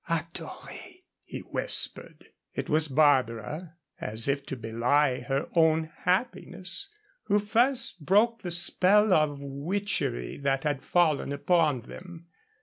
"Adorée!" he whispered. It was Barbara, as if to belie her own happiness, who first broke the spell of witchery that had fallen upon them.